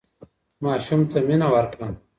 ماشوم ته مينه ورکړه